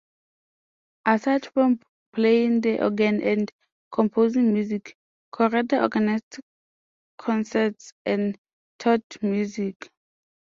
Aside from playing the organ and composing music, Corrette organized concerts and taught music.